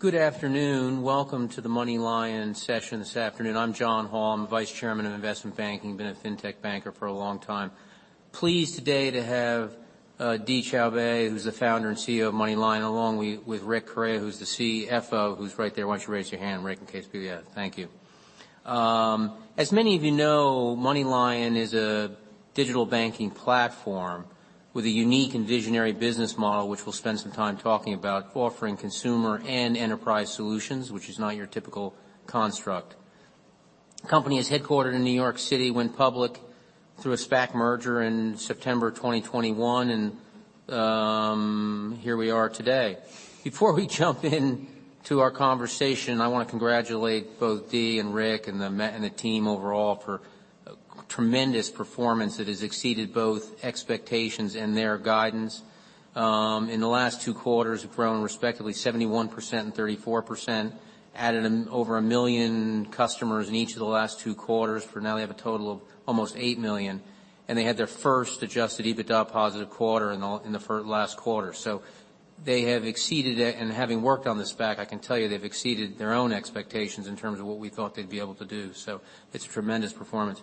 Good afternoon. Welcome to the MoneyLion session this afternoon. I'm John Hall. I'm the Vice Chairman of Investment Banking. Been a fintech banker for a long time. Pleased today to have Dee Choubey, who's the Founder and CEO of MoneyLion, along with Rick Correia, who's the CFO, who's right there. Why don't you raise your hand, Rick, in case people... Yeah. Thank you. As many of you know, MoneyLion is a digital banking platform with a unique and visionary business model, which we'll spend some time talking about, offering consumer and enterprise solutions, which is not your typical construct. The company is headquartered in New York City, went public through a SPAC merger in September 2021 and here we are today. Before we jump in to our conversation, I wanna congratulate both Dee and Rick and the team overall for a tremendous performance that has exceeded both expectations and their guidance. In the last two quarters, they've grown respectively 71% and 34%, added over 1 million customers in each of the last two quarters, for now they have a total of almost 8 million, and they had their first Adjusted EBITDA positive quarter in the last quarter. They have exceeded it, and having worked on this SPAC, I can tell you they've exceeded their own expectations in terms of what we thought they'd be able to do. It's a tremendous performance.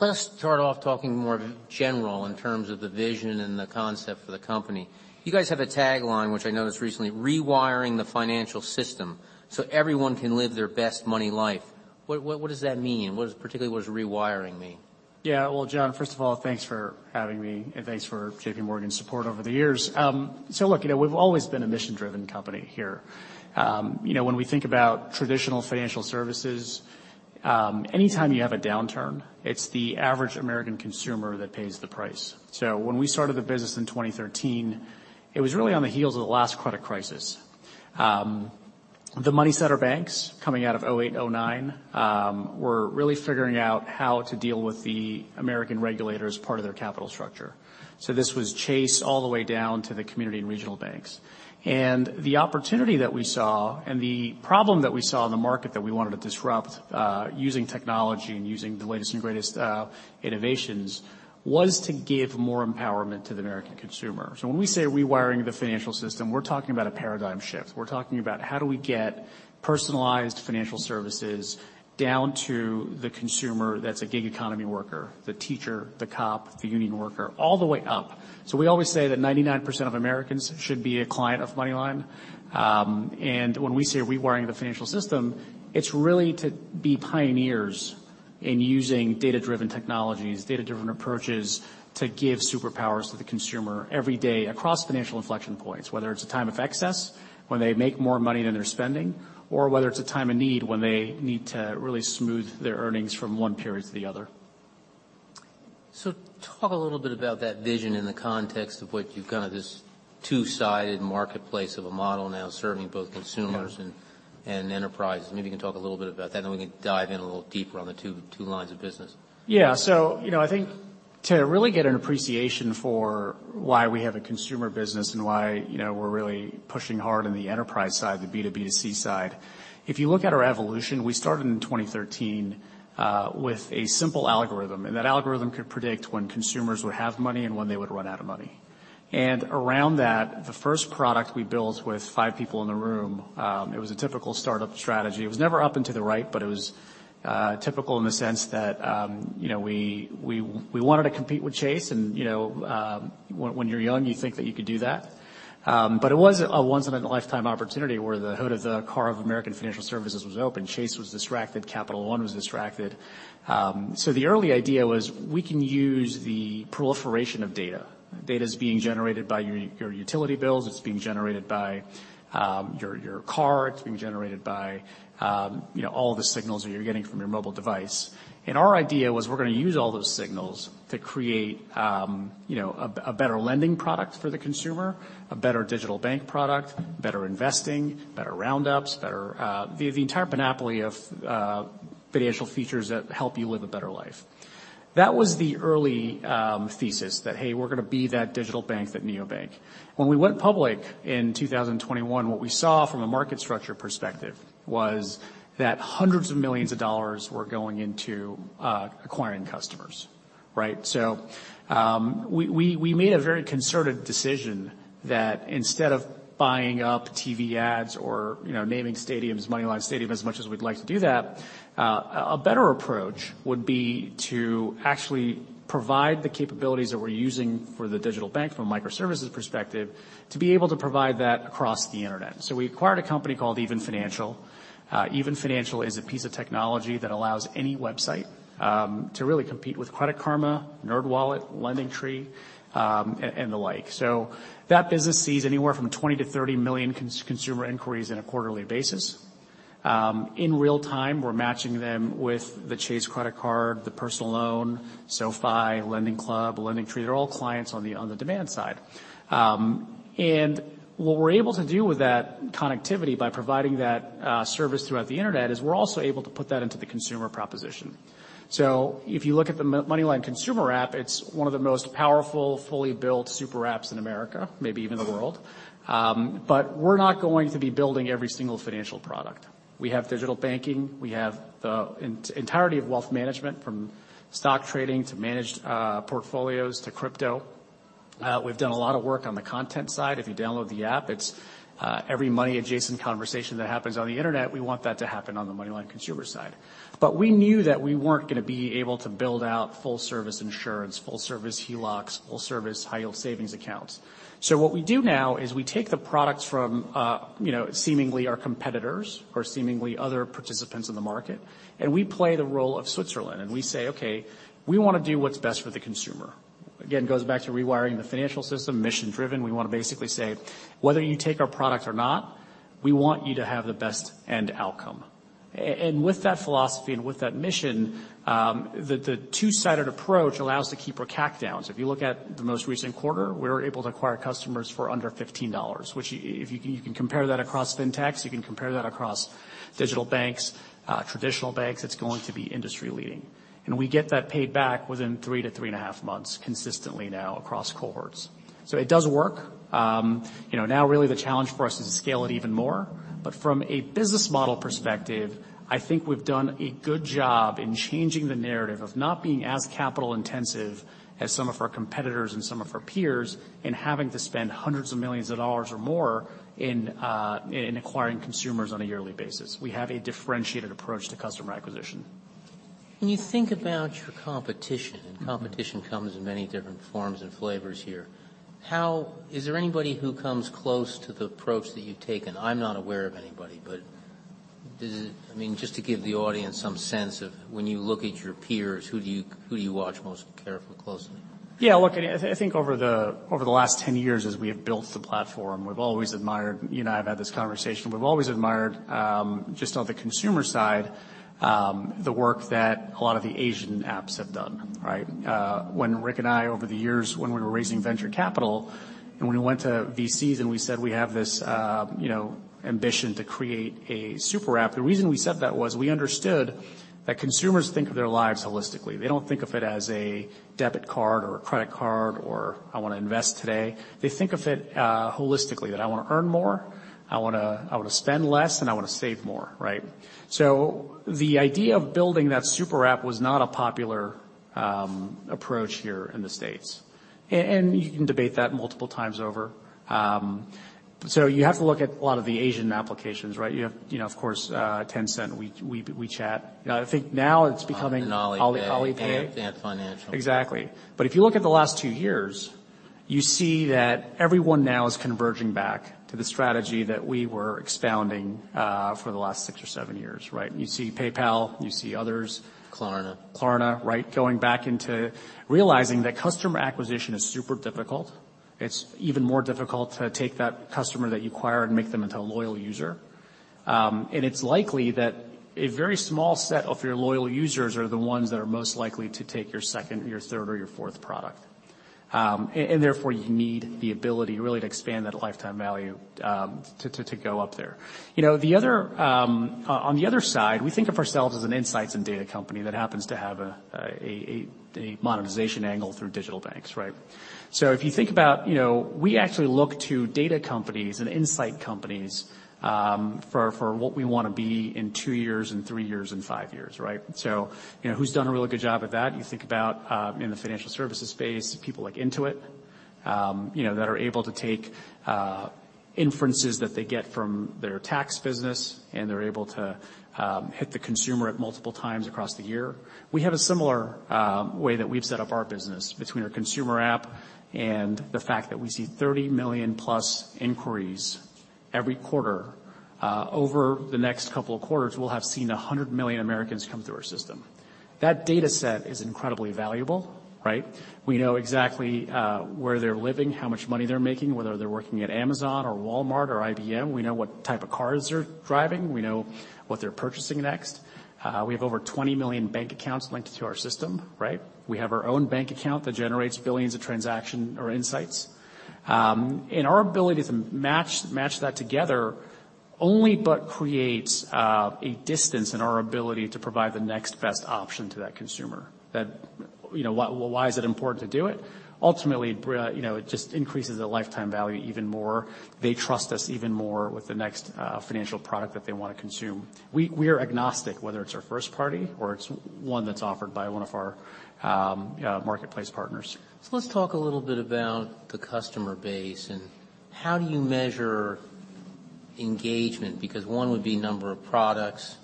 Let's start off talking more general in terms of the vision and the concept for the company. You guys have a tagline, which I noticed recently, "Rewiring the financial system so everyone can live their best money life." What does that mean? Particularly, what does rewiring mean? Yeah. Well, John, first of all, thanks for having me, and thanks for JPMorgan's support over the years. Look, you know, we've always been a mission-driven company here. You know, when we think about traditional financial services, anytime you have a downturn, it's the average American consumer that pays the price. When we started the business in 2013, it was really on the heels of the last credit crisis. The money center banks coming out of 2008, 2009, were really figuring out how to deal with the American regulators' part of their capital structure. This was Chase all the way down to the community and regional banks. The opportunity that we saw and the problem that we saw in the market that we wanted to disrupt, using technology and using the latest and greatest innovations, was to give more empowerment to the American consumer. When we say rewiring the financial system, we're talking about a paradigm shift. We're talking about how do we get personalized financial services down to the consumer that's a gig economy worker, the teacher, the cop, the union worker, all the way up. We always say that 99% of Americans should be a client of MoneyLion. When we say rewiring the financial system, it's really to be pioneers in using data-driven technologies, data-driven approaches to give superpowers to the consumer every day across financial inflection points, whether it's a time of excess, when they make more money than they're spending, or whether it's a time of need, when they need to really smooth their earnings from one period to the other. Talk a little bit about that vision in the context of what you've got at this two-sided marketplace of a model now serving both consumers. Yeah. enterprises. Maybe you can talk a little bit about that, and then we can dive in a little deeper on the two lines of business. Yeah. You know, I think to really get an appreciation for why we have a consumer business and why, you know, we're really pushing hard on the enterprise side, the B2B2C side, if you look at our evolution, we started in 2013, with a simple algorithm, and that algorithm could predict when consumers would have money and when they would run out of money. Around that, the first product we built with five people in the room, it was a typical startup strategy. It was never up and to the right, but it was typical in the sense that, you know, we wanted to compete with Chase and, you know, when you're young, you think that you could do that. It was a once in a lifetime opportunity where the hood of the car of American Financial Services was open. Chase was distracted, Capital One was distracted. The early idea was we can use the proliferation of data. Data is being generated by your utility bills, it's being generated by your car, it's being generated by, you know, all the signals that you're getting from your mobile device. Our idea was we're gonna use all those signals to create, you know, a better lending product for the consumer, a better digital bank product, better investing, better roundups, better, the entire panoply of financial features that help you live a better life. That was the early thesis that, hey, we're gonna be that digital bank, that neobank. When we went public in 2021, what we saw from a market structure perspective was that hundreds of millions of dollars were going into acquiring customers, right? we made a very concerted decision that instead of buying up TV ads or, you know, naming stadiums, MoneyLion Stadium, as much as we'd like to do that, a better approach would be to actually provide the capabilities that we're using for the digital bank from a microservices perspective to be able to provide that across the internet. We acquired a company called Even Financial. Even Financial is a piece of technology that allows any website to really compete with Credit Karma, NerdWallet, LendingTree, and the like. That business sees anywhere from 20 million-30 million consumer inquiries in a quarterly basis. In real time, we're matching them with the Chase credit card, the personal loan, SoFi, LendingClub, LendingTree. They're all clients on the demand side. What we're able to do with that connectivity by providing that service throughout the internet is we're also able to put that into the consumer proposition. If you look at the MoneyLion consumer app, it's one of the most powerful, fully built super apps in America, maybe even the world. We're not going to be building every single financial product. We have digital banking. We have the entirety of wealth management from stock trading to managed portfolios to crypto. We've done a lot of work on the content side. If you download the app, it's every money-adjacent conversation that happens on the internet, we want that to happen on the MoneyLion consumer side. We knew that we weren't gonna be able to build out full-service insurance, full-service HELOCs, full-service high-yield savings accounts. What we do now is we take the products from, you know, seemingly our competitors or seemingly other participants in the market, and we play the role of Switzerland, and we say, "Okay, we wanna do what's best for the consumer." Again, goes back to rewiring the financial system, mission-driven. We wanna basically say, "Whether you take our product or not, we want you to have the best end outcome." And with that philosophy and with that mission, the two-sided approach allows to keep our CAC downs. If you look at the most recent quarter, we were able to acquire customers for under $15, which if you can, you can compare that across fintechs, you can compare that across digital banks, traditional banks, it's going to be industry-leading. We get that paid back within 3-3 and a half months consistently now across cohorts. It does work. You know, now really the challenge for us is to scale it even more. From a business model perspective, I think we've done a good job in changing the narrative of not being as capital intensive as some of our competitors and some of our peers in having to spend hundreds of millions of dollars or more in acquiring consumers on a yearly basis. We have a differentiated approach to customer acquisition. When you think about your competition- Mm-hmm. Competition comes in many different forms and flavors here. How is there anybody who comes close to the approach that you've taken? I'm not aware of anybody, does it... I mean, just to give the audience some sense of when you look at your peers, who do you watch most careful closely? Yeah. Look, I think over the last 10 years as we have built the platform, we've always admired, you and I have had this conversation, we've always admired, just on the consumer side, the work that a lot of the Asian apps have done, right? When Rick and I over the years when we were raising venture capital and when we went to VCs and we said we have this, you know, ambition to create a super app, the reason we said that was we understood that consumers think of their lives holistically. They don't think of it as a debit card or a credit card, or I wanna invest today. They think of it, holistically, that I wanna earn more, I wanna spend less, and I wanna save more, right? The idea of building that super app was not a popular approach here in the States. You can debate that multiple times over. You have to look at a lot of the Asian applications, right? You have, you know, of course, Tencent, WeChat. I think now it's becoming- Ant and Alipay Alipay. Ant Group. Exactly. If you look at the last two years, you see that everyone now is converging back to the strategy that we were expounding for the last six or seven years, right? You see PayPal, you see others. Klarna. Klarna, right, going back into realizing that customer acquisition is super difficult. It's even more difficult to take that customer that you acquire and make them into a loyal user. It's likely that a very small set of your loyal users are the ones that are most likely to take your second, or your third, or your fourth product. Therefore, you need the ability really to expand that lifetime value to go up there. You know, the other on the other side, we think of ourselves as an insights and data company that happens to have a monetization angle through digital banks, right. If you think about, you know, we actually look to data companies and insight companies for what we wanna be in two years, in three years, in five years, right. You know, who's done a really good job at that? You think about, in the financial services space, people like Intuit, you know, that are able to take inferences that they get from their tax business, they're able to hit the consumer at multiple times across the year. We have a similar way that we've set up our business between our consumer app and the fact that we see 30 million+ inquiries every quarter. Over the next couple of quarters, we'll have seen 100 million Americans come through our system. That data set is incredibly valuable, right? We know exactly where they're living, how much money they're making, whether they're working at Amazon or Walmart or IBM. We know what type of cars they're driving. We know what they're purchasing next. We have over 20 million bank accounts linked to our system, right? We have our own bank account that generates billions of transaction or insights. Our ability to match that together only but creates a distance in our ability to provide the next best option to that consumer that, you know, why is it important to do it? Ultimately, you know, it just increases the lifetime value even more. They trust us even more with the next financial product that they wanna consume. We are agnostic, whether it's our first party or it's one that's offered by one of our marketplace partners. Let's talk a little bit about the customer base and how do you measure engagement, because one would be number of products,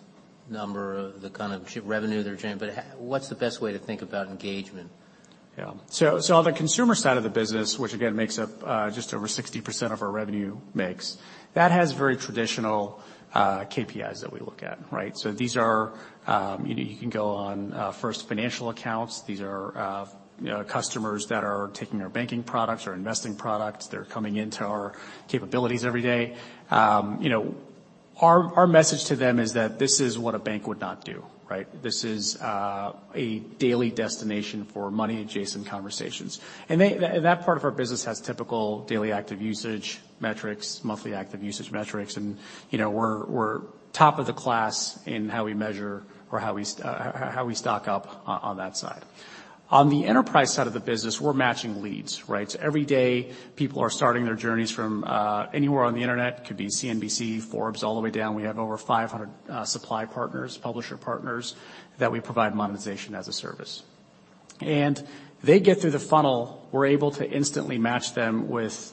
number of the kind of revenue they're generating, but what's the best way to think about engagement? On the consumer side of the business, which again makes up just over 60% of our revenue mix, that has very traditional KPIs that we look at, right? These are, you know, you can go on first financial accounts. These are, you know, customers that are taking our banking products, our investing products. They're coming into our capabilities every day. You know, our message to them is that this is what a bank would not do, right? This is a daily destination for money-adjacent conversations. That part of our business has typical daily active usage metrics, monthly active usage metrics, and, you know, we're top of the class in how we measure or how we stock up on that side. On the enterprise side of the business, we're matching leads, right? Every day, people are starting their journeys from anywhere on the internet, could be CNBC, Forbes, all the way down. We have over 500 supply partners, publisher partners that we provide monetization as a service. They get through the funnel, we're able to instantly match them with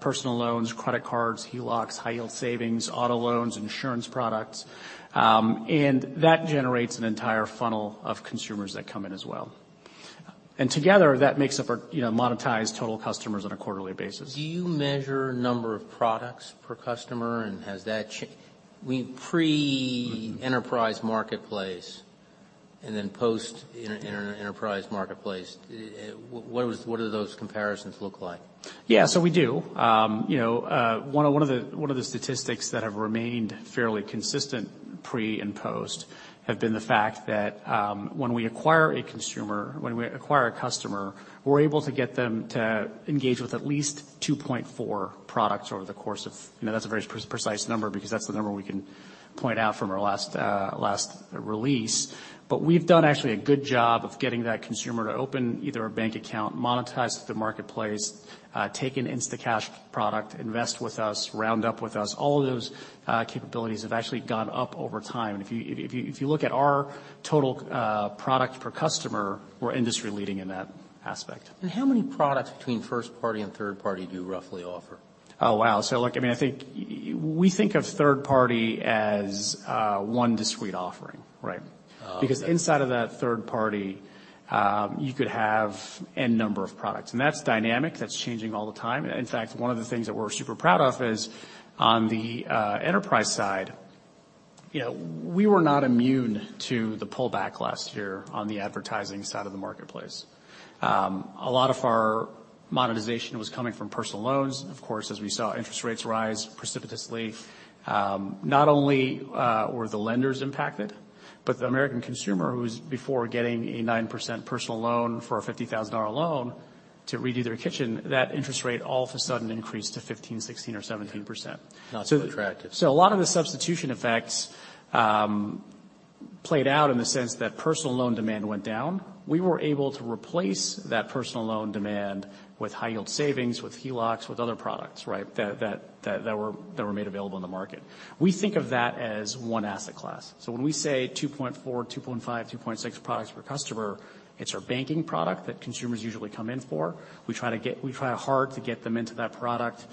personal loans, credit cards, HELOCs, high-yield savings, auto loans, insurance products, and that generates an entire funnel of consumers that come in as well. Together, that makes up our, you know, monetized total customers on a quarterly basis. Do you measure number of products per customer, and has that Pre-enterprise marketplace and then post-enterprise marketplace, what do those comparisons look like? We do. You know, one of the statistics that have remained fairly consistent pre and post have been the fact that when we acquire a consumer, when we acquire a customer, we're able to get them to engage with at least 2.4 products over the course of. You know, that's a very pre-precise number because that's the number we can point out from our last release. We've done actually a good job of getting that consumer to open either a bank account, monetize the marketplace, take an Instacash product, invest with us, round up with us. All of those capabilities have actually gone up over time. If you look at our total product per customer, we're industry leading in that aspect. How many products between first party and third party do you roughly offer? Oh, wow. look, I mean, We think of third party as one discrete offering, right? Oh, okay. Inside of that third party, you could have N number of products, and that's dynamic, that's changing all the time. In fact, one of the things that we're super proud of is on the enterprise side, you know, we were not immune to the pullback last year on the advertising side of the marketplace. A lot of our monetization was coming from personal loans. Of course, as we saw interest rates rise precipitously, not only were the lenders impacted, but the American consumer who's before getting a 9% personal loan for a $50,000 loan to redo their kitchen, that interest rate all of a sudden increased to 15%, 16%, or 17%. Not so attractive. A lot of the substitution effects played out in the sense that personal loan demand went down. We were able to replace that personal loan demand with high-yield savings, with HELOCs, with other products, right? That were made available in the market. We think of that as one asset class. When we say 2.4, 2.5, 2.6 products per customer, it's our banking product that consumers usually come in for. We try hard to get them into that product.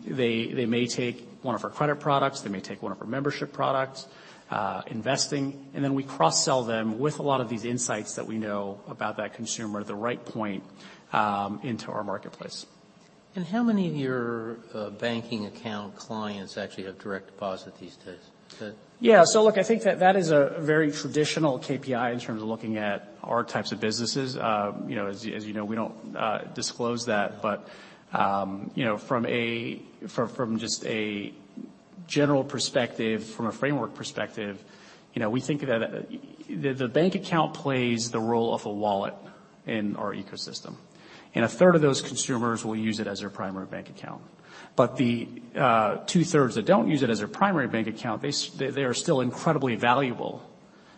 They may take one of our credit products. They may take one of our membership products, investing, and then we cross-sell them with a lot of these insights that we know about that consumer at the right point into our marketplace. How many of your banking account clients actually have direct deposit these days? Yeah. look, I think that that is a very traditional KPI in terms of looking at our types of businesses. you know, as you know, we don't disclose that. you know, from just a general perspective, from a framework perspective, you know, we think that the bank account plays the role of a wallet in our ecosystem, and a third of those consumers will use it as their primary bank account. the two-thirds that don't use it as their primary bank account, they are still incredibly valuable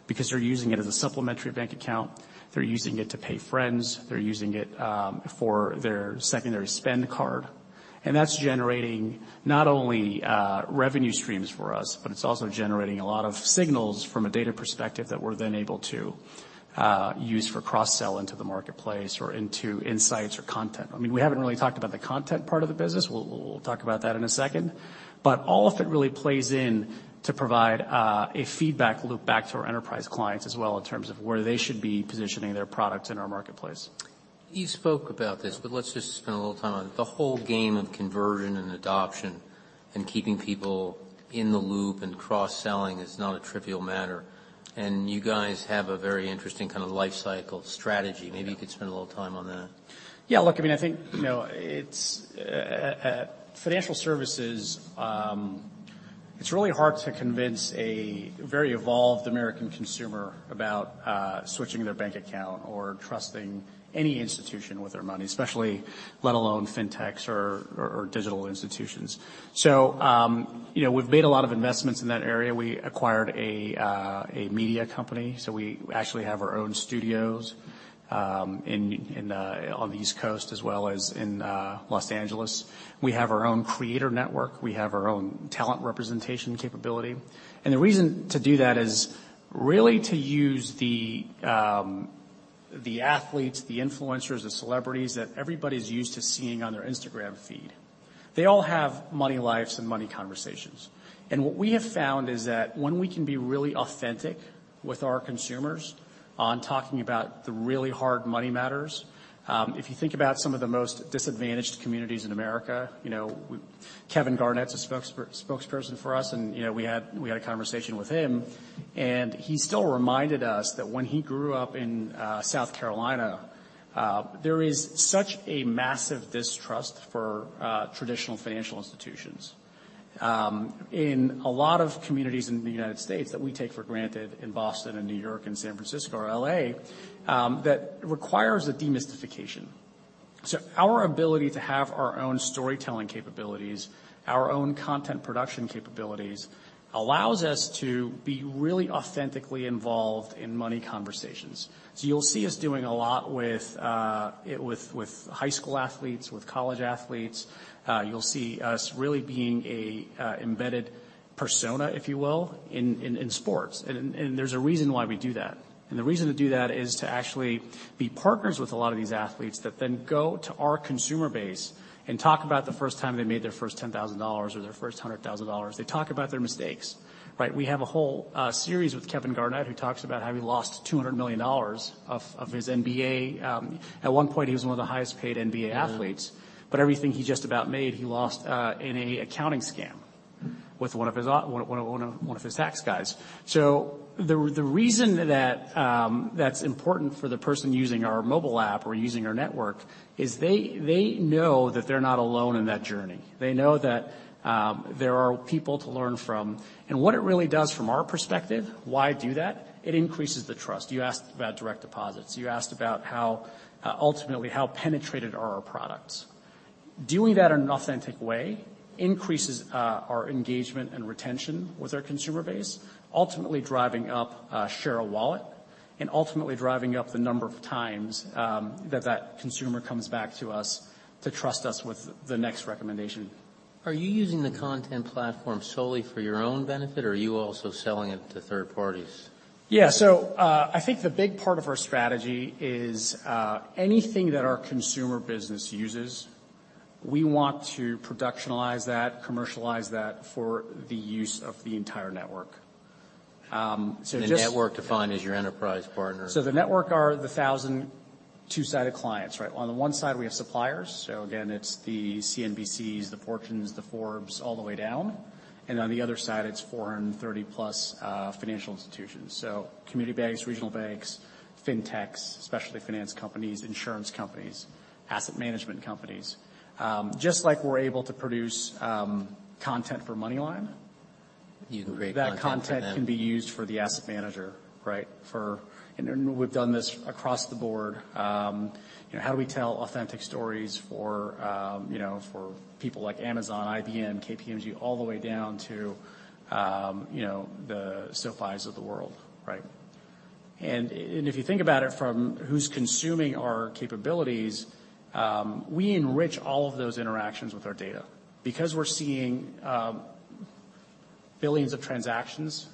because they're using it as a supplementary bank account. They're using it to pay friends. They're using it for their secondary spend card. That's generating not only revenue streams for us, but it's also generating a lot of signals from a data perspective that we're then able to use for cross-sell into the marketplace or into insights or content. I mean, we haven't really talked about the content part of the business. We'll talk about that in a second. All of it really plays in to provide a feedback loop back to our enterprise clients as well in terms of where they should be positioning their products in our marketplace. You spoke about this, but let's just spend a little time on it. The whole game of conversion and adoption and keeping people in the loop and cross-selling is not a trivial matter. You guys have a very interesting kind of lifecycle strategy. Yeah. Maybe you could spend a little time on that. Yeah, look, I mean, I think, you know, it's financial services. It's really hard to convince a very evolved American consumer about switching their bank account or trusting any institution with their money, especially let alone fintechs or digital institutions. You know, we've made a lot of investments in that area. We acquired a media company, so we actually have our own studios in on the East Coast as well as in Los Angeles. We have our own creator network. We have our own talent representation capability. The reason to do that is really to use the athletes, the influencers, the celebrities that everybody's used to seeing on their Instagram feed. They all have money lives and money conversations. What we have found is that when we can be really authentic with our consumers on talking about the really hard money matters, if you think about some of the most disadvantaged communities in America, you know, Kevin Garnett's a spokesperson for us and, you know, we had a conversation with him, and he still reminded us that when he grew up in South Carolina, there is such a massive distrust for traditional financial institutions in a lot of communities in the United States that we take for granted in Boston and New York and San Francisco or L.A., that requires a demystification. So our ability to have our own storytelling capabilities, our own content production capabilities, allows us to be really authentically involved in money conversations. You'll see us doing a lot with high school athletes, with college athletes. You'll see us really being a embedded persona, if you will, in sports. There's a reason why we do that. The reason to do that is to actually be partners with a lot of these athletes that then go to our consumer base and talk about the first time they made their first $10,000 or their first $100,000. They talk about their mistakes, right? We have a whole series with Kevin Garnett, who talks about how he lost $200 million of his NBA. At one point he was one of the highest paid NBA athletes. Mm-hmm. Everything he just about made, he lost in an accounting scam with one of his tax guys. The reason that's important for the person using our mobile app or using our network is they know that they're not alone in that journey. They know that there are people to learn from. And what it really does from our perspective, why do that, it increases the trust. You asked about direct deposits. You asked about how, ultimately, how penetrated are our products. Doing that in an authentic way increases our engagement and retention with our consumer base, ultimately driving up share of wallet and ultimately driving up the number of times that consumer comes back to us to trust us with the next recommendation. Are you using the content platform solely for your own benefit, or are you also selling it to third parties? Yeah. I think the big part of our strategy is, anything that our consumer business uses, we want to productionalize that, commercialize that for the use of the entire network. Network defined as your enterprise partner. The network are the 1,000 two-sided clients, right? On the one side we have suppliers, again, it's the CNBCs, the Fortunes, the Forbes, all the way down, and on the other side it's 430 plus financial institutions. Community banks, regional banks, fintechs, specialty finance companies, insurance companies, asset management companies. Just like we're able to produce content for MoneyLion. You can create content for them.... that content can be used for the asset manager, right? For. We've done this across the board. You know, how do we tell authentic stories for, you know, for people like Amazon, IBM, KPMG, all the way down to, you know, the SoFis of the world, right? If you think about it from who's consuming our capabilities, we enrich all of those interactions with our data. Because we're seeing billions of transactions,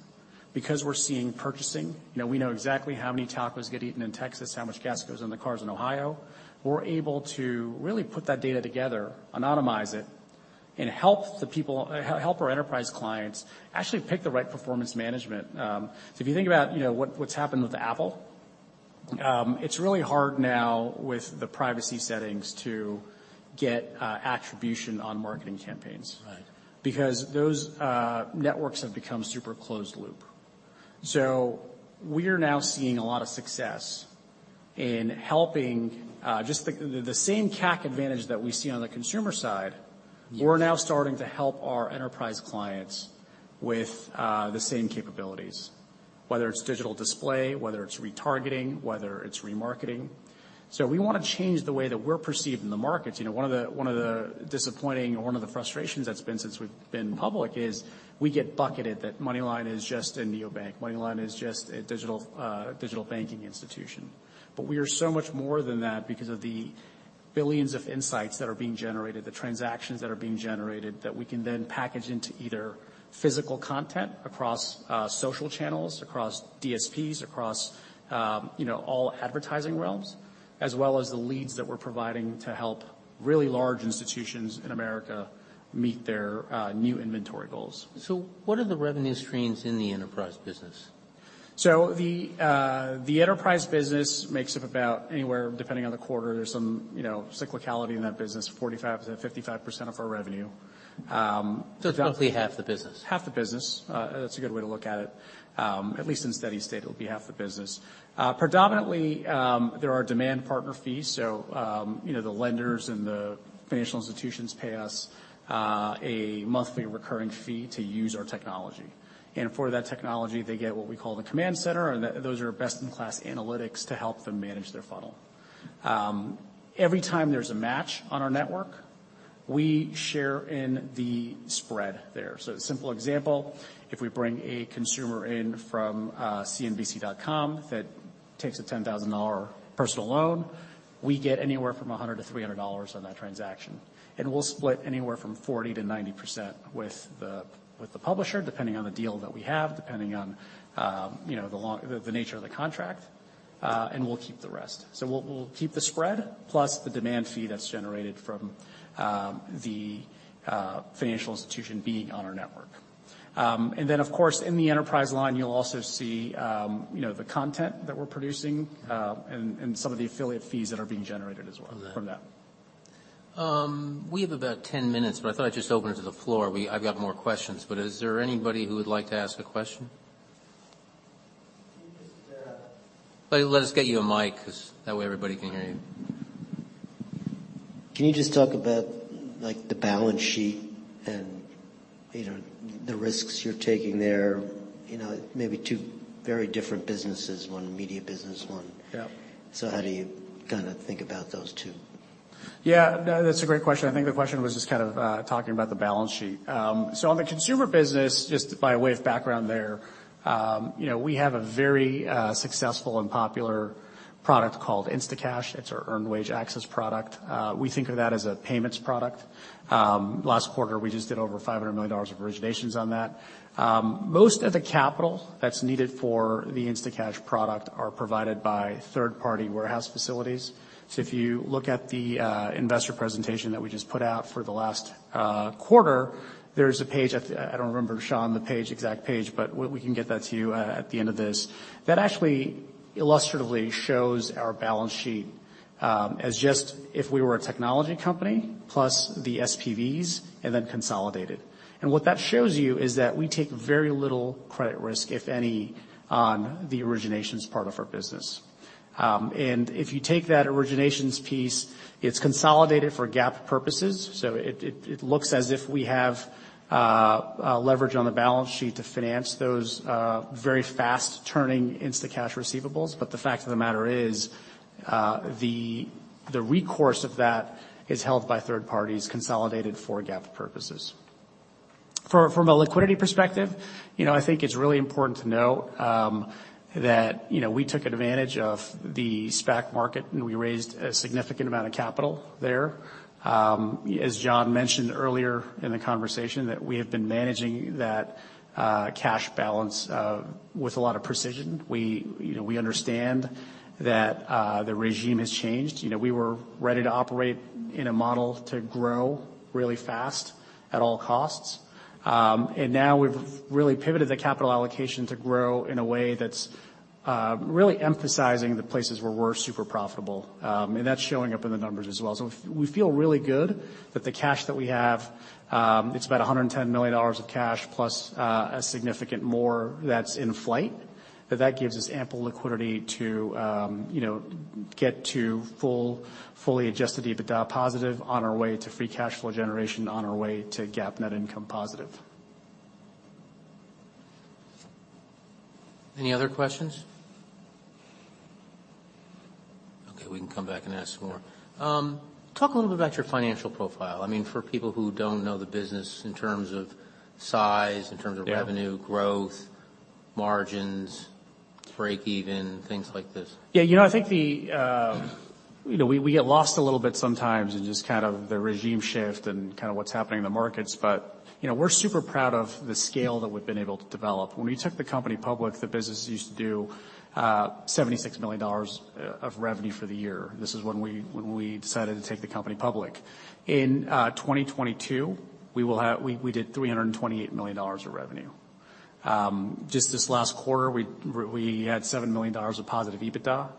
because we're seeing purchasing, you know, we know exactly how many tacos get eaten in Texas, how much gas goes in the cars in Ohio, we're able to really put that data together, anonymize it, and help the people, help our enterprise clients actually pick the right performance management. If you think about, you know, what's happened with Apple, it's really hard now with the privacy settings to get attribution on marketing campaigns. Right ... because those networks have become super closed loop. We're now seeing a lot of success in helping just the same CAC advantage that we see on the consumer side. Yes We're now starting to help our enterprise clients with the same capabilities, whether it's digital display, whether it's retargeting, whether it's remarketing. We wanna change the way that we're perceived in the market. You know, one of the, one of the disappointing or one of the frustrations that's been since we've been public is we get bucketed that MoneyLion is just a neobank. MoneyLion is just a digital banking institution. We are so much more than that because of the billions of insights that are being generated, the transactions that are being generated, that we can then package into either physical content across social channels, across DSPs, across, you know, all advertising realms, as well as the leads that we're providing to help really large institutions in America meet their new inventory goals. What are the revenue streams in the enterprise business? The enterprise business makes up about anywhere, depending on the quarter, there's some, you know, cyclicality in that business, 45%-55% of our revenue. Roughly half the business. Half the business. That's a good way to look at it. At least in steady state it'll be half the business. Predominantly, there are demand partner fees, you know, the lenders and the financial institutions pay us a monthly recurring fee to use our technology. For that technology, they get what we call the Command Center, and those are best in class analytics to help them manage their funnel. Every time there's a match on our network, we share in the spread there. A simple example, if we bring a consumer in from cnbc.com that takes a $10,000 personal loan, we get anywhere from $100-$300 on that transaction. We'll split anywhere from 40%-90% with the publisher, depending on the deal that we have, depending on, you know, the nature of the contract, and we'll keep the rest. We'll keep the spread plus the demand fee that's generated from the financial institution being on our network. Then of course, in the enterprise line, you'll also see, you know, the content that we're producing. Uh-huh... and some of the affiliate fees that are being generated as well from that. From that. We have about 10 minutes, but I thought I'd just open it to the floor. I've got more questions, but is there anybody who would like to ask a question? Can you just, let us get you a mic, 'cause that way everybody can hear you. Can you just talk about, like, the balance sheet? You know, the risks you're taking there, you know, maybe two very different businesses, one media business, one- Yeah. How do you kinda think about those two? Yeah, no, that's a great question. I think the question was just kind of talking about the balance sheet. On the consumer business, just by way of background there, you know, we have a very successful and popular product called Instacash. It's our earned wage access product. We think of that as a payments product. Last quarter, we just did over $500 million of originations on that. Most of the capital that's needed for the Instacash product are provided by third-party warehouse facilities. If you look at the investor presentation that we just put out for the last quarter, there's a page, I don't remember, Sean, the page, exact page, but we can get that to you at the end of this. That actually illustratively shows our balance sheet, as just if we were a technology company plus the SPVs and then consolidated. What that shows you is that we take very little credit risk, if any, on the originations part of our business. If you take that originations piece, it's consolidated for GAAP purposes, so it looks as if we have leverage on the balance sheet to finance those very fast-turning Instacash receivables. The fact of the matter is, the recourse of that is held by third parties consolidated for GAAP purposes. From a liquidity perspective, you know, I think it's really important to know that, you know, we took advantage of the SPAC market, and we raised a significant amount of capital there. As John mentioned earlier in the conversation, that we have been managing that cash balance with a lot of precision. We, you know, we understand that the regime has changed. You know, we were ready to operate in a model to grow really fast at all costs. Now we've really pivoted the capital allocation to grow in a way that's really emphasizing the places where we're super profitable. That's showing up in the numbers as well. We feel really good that the cash that we have, it's about $110 million of cash plus a significant more that's in flight, that that gives us ample liquidity to, you know, get to fully adjusted EBITDA positive on our way to free cash flow generation, on our way to GAAP net income positive. Any other questions? Okay, we can come back and ask some more. Talk a little bit about your financial profile. I mean, for people who don't know the business in terms of size. Yeah. -in terms of revenue growth, margins, break even, things like this. Yeah, you know, I think the, you know, we get lost a little bit sometimes in just kind of the regime shift and kinda what's happening in the markets. You know, we're super proud of the scale that we've been able to develop. When we took the company public, the business used to do $76 million of revenue for the year. This is when we decided to take the company public. In 2022, we did $328 million of revenue. Just this last quarter, we had $7 million of positive EBITDA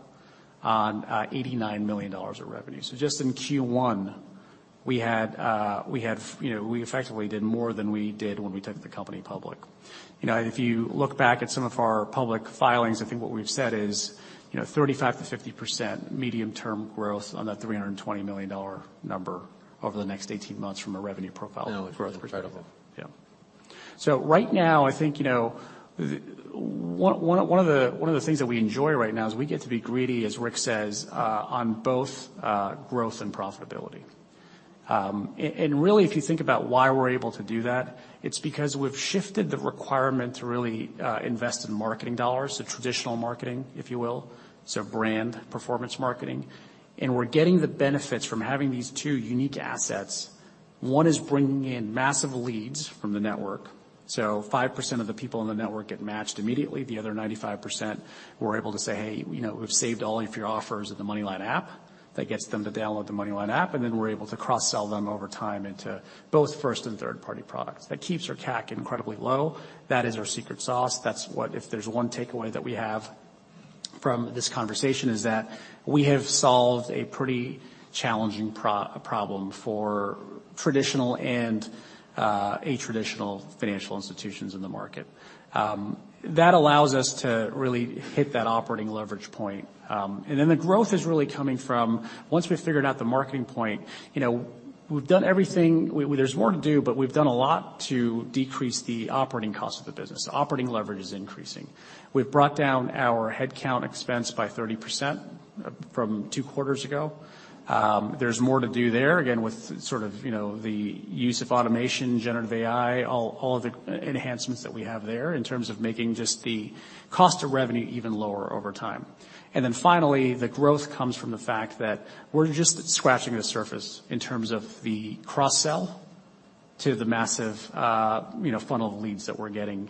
on $89 million of revenue. Just in Q1, we had, we have, you know, we effectively did more than we did when we took the company public. You know, if you look back at some of our public filings, I think what we've said is, you know, 35%-50% medium-term growth on that $320 million number over the next 18 months from a revenue profile growth perspective. No, it's incredible. Right now, I think, you know, one of the things that we enjoy right now is we get to be greedy, as Rick says, on both growth and profitability. Really, if you think about why we're able to do that, it's because we've shifted the requirement to really invest in marketing dollars, so traditional marketing, if you will, so brand performance marketing. We're getting the benefits from having these two unique assets. One is bringing in massive leads from the network. 5% of the people in the network get matched immediately. The other 95%, we're able to say, "Hey, you know, we've saved all of your offers in the MoneyLion app." That gets them to download the MoneyLion app, and then we're able to cross-sell them over time into both first and third-party products. That keeps our CAC incredibly low. That is our secret sauce. If there's one takeaway that we have from this conversation, is that we have solved a pretty challenging problem for traditional and atraditional financial institutions in the market. That allows us to really hit that operating leverage point. The growth is really coming from once we've figured out the marketing point, you know, we've done everything. Well, there's more to do, but we've done a lot to decrease the operating cost of the business. Operating leverage is increasing. We've brought down our headcount expense by 30% from two quarters ago. There's more to do there, again, with sort of, you know, the use of automation, generative AI, all of the enhancements that we have there in terms of making just the cost of revenue even lower over time. Finally, the growth comes from the fact that we're just scratching the surface in terms of the cross-sell to the massive, you know, funnel of leads that we're getting,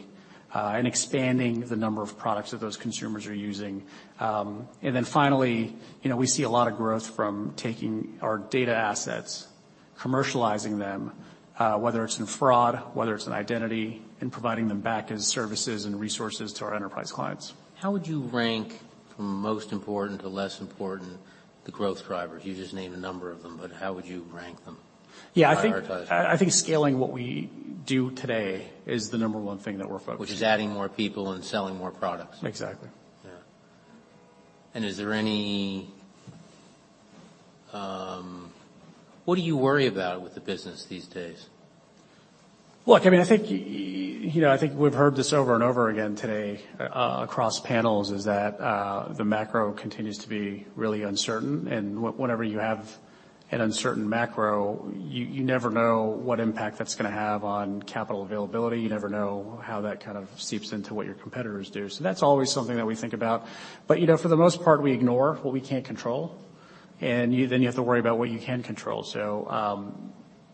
and expanding the number of products that those consumers are using. Finally, you know, we see a lot of growth from taking our data assets, commercializing them, whether it's in fraud, whether it's in identity, and providing them back as services and resources to our enterprise clients. How would you rank, from most important to less important, the growth drivers? You just named a number of them, but how would you rank them? Yeah. Prioritize them. I think scaling what we do today is the number one thing that we're focused on. Which is adding more people and selling more products. Exactly. Yeah. What do you worry about with the business these days? Look, I mean, I think, you know, I think we've heard this over and over again today, across panels, is that the macro continues to be really uncertain. Whenever you have an uncertain macro, you never know what impact that's gonna have on capital availability. You never know how that kind of seeps into what your competitors do. That's always something that we think about. You know, for the most part, we ignore what we can't control. Then you have to worry about what you can control.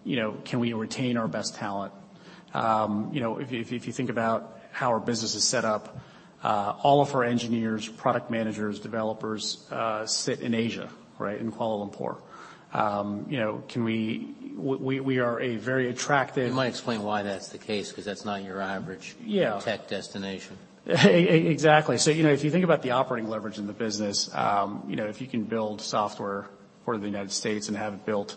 You know, can we retain our best talent? You know, if you think about how our business is set up, all of our engineers, product managers, developers, sit in Asia, right? In Kuala Lumpur. You know, We are a very attractive- You might explain why that's the case because that's not your average- Yeah. Tech destination. Exactly. You know, if you think about the operating leverage in the business, you know, if you can build software for the United States and have it built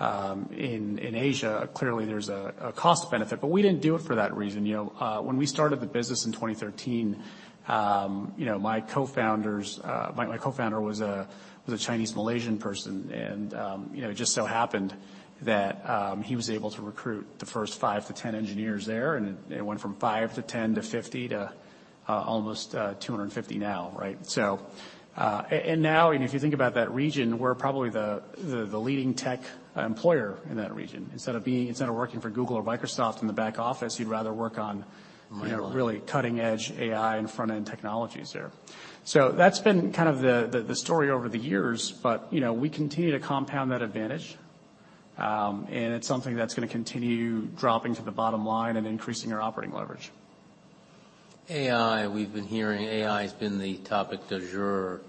in Asia, clearly there's a cost benefit. We didn't do it for that reason. You know, when we started the business in 2013, you know, my co-founders, my co-founder was a Chinese Malaysian person. You know, it just so happened that he was able to recruit the first 5-10 engineers there, and it went from 5-10-50 to almost 250 now, right? If you think about that region, we're probably the leading tech employer in that region. Instead of working for Google or Microsoft in the back office, you'd rather work on- Really. you know, really cutting-edge AI and front-end technologies there. That's been kind of the story over the years. You know, we continue to compound that advantage, and it's something that's gonna continue dropping to the bottom line and increasing our operating leverage. AI, we've been hearing AI has been the topic du jour,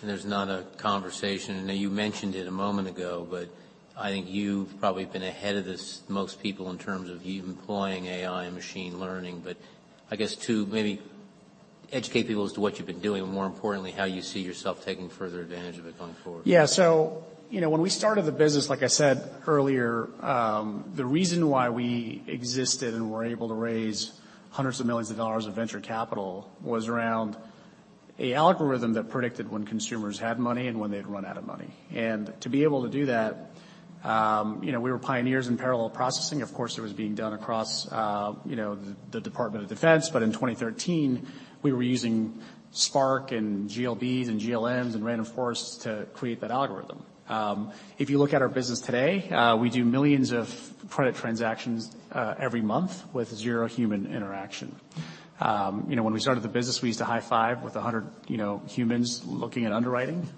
and there's not a conversation. I know you mentioned it a moment ago, but I think you've probably been ahead of this most people in terms of you employing AI and machine learning. I guess to maybe educate people as to what you've been doing and more importantly, how you see yourself taking further advantage of it going forward. Yeah. You know, when we started the business, like I said earlier, the reason why we existed and were able to raise hundreds of millions of dollars of venture capital was around a algorithm that predicted when consumers had money and when they'd run out of money. To be able to do that, you know, we were pioneers in parallel processing. Of course, it was being done across, you know, the Department of Defense. In 2013, we were using Spark and GLB and GLMs and random forests to create that algorithm. If you look at our business today, we do millions of credit transactions every month with zero human interaction. You know, when we started the business, we used to high-five with 100, you know, humans looking at underwriting,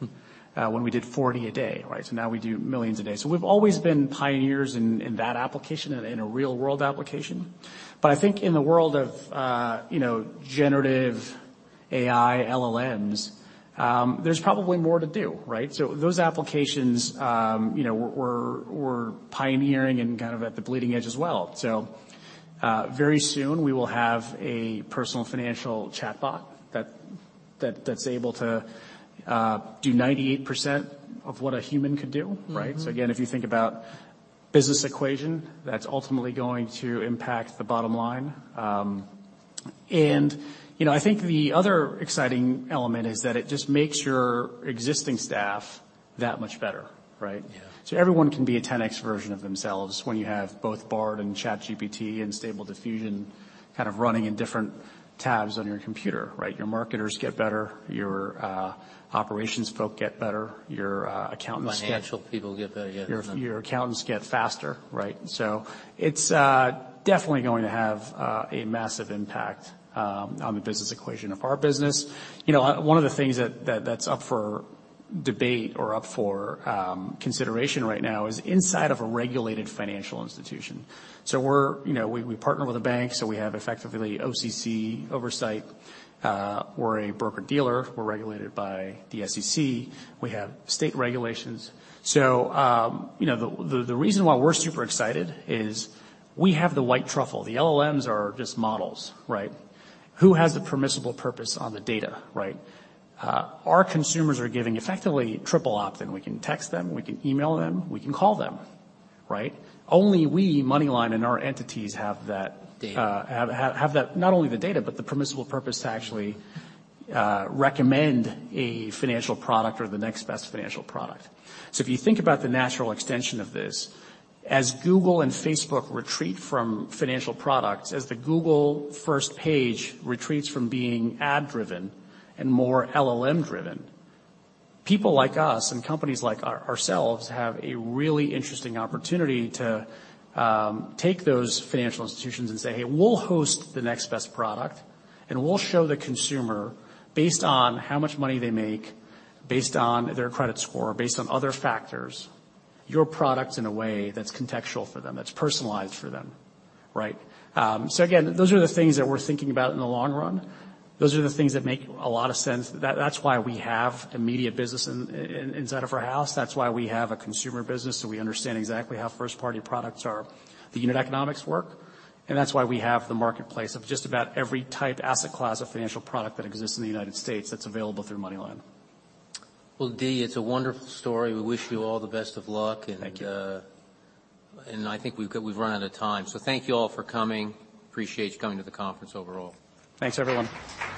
when we did 40 a day, right? Now we do millions a day. We've always been pioneers in that application, in a real-world application. I think in the world of, you know, generative AI, LLMs, there's probably more to do, right? Those applications, you know, we're pioneering and kind of at the bleeding edge as well. Very soon, we will have a personal financial chatbot that's able to do 98% of what a human could do, right? Mm-hmm. Again, if you think about business equation, that's ultimately going to impact the bottom line. You know, I think the other exciting element is that it just makes your existing staff that much better, right? Yeah. Everyone can be a 10x version of themselves when you have both Bard and ChatGPT and Stable Diffusion kind of running in different tabs on your computer, right? Your marketers get better. Your operations folk get better. Your accountants. Financial people get better. Yeah. Your accountants get faster, right? It's definitely going to have a massive impact on the business equation of our business. You know, one of the things that's up for debate or up for consideration right now is inside of a regulated financial institution. You know, we partner with a bank, so we have effectively OCC oversight. We're a broker-dealer. We're regulated by the SEC. We have state regulations. You know, the reason why we're super excited is we have the white truffle. The LLMs are just models, right? Who has the permissible purpose on the data, right? Our consumers are giving effectively triple opt-in. We can text them, we can email them, we can call them, right? Only we, MoneyLion, and our entities have that. Data. have that not only the data, but the permissible purpose to actually recommend a financial product or the next best financial product. If you think about the natural extension of this, as Google and Facebook retreat from financial products, as the Google first page retreats from being ad-driven and more LLM-driven, people like us and companies like ourselves have a really interesting opportunity to take those financial institutions and say, "Hey, we'll host the next best product, and we'll show the consumer based on how much money they make, based on their credit score, based on other factors, your product in a way that's contextual for them, that's personalized for them," right? Again, those are the things that we're thinking about in the long run. Those are the things that make a lot of sense. That's why we have a media business inside of our house. That's why we have a consumer business, so we understand exactly how first-party products are, the unit economics work. That's why we have the marketplace of just about every type asset class of financial product that exists in the United States that's available through MoneyLion. Well, D, it's a wonderful story. We wish you all the best of luck. Thank you. I think we've run out of time. Thank you all for coming. Appreciate you coming to the conference overall. Thanks, everyone.